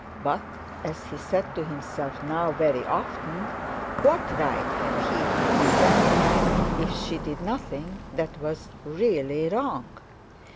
But, as he said to himself now very often, what right had he to condemn her if she did nothing that was really wrong?